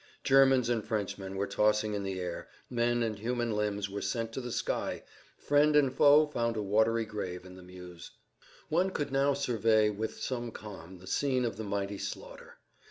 Germans and Frenchmen were tossed in the air, men and human limbs were sent to the sky, friend and foe found a watery grave in the Meuse. One could now survey with some calm the scene of the mighty slaughter.